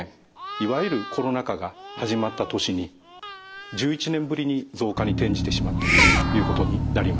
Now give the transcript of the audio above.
いわゆるコロナ禍が始まった年に１１年ぶりに増加に転じてしまったということになります。